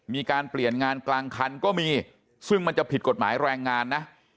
มีการเปลี่ยนงานกลางคันก็มีซึ่งมันจะผิดกฎหมายแรงงานนะ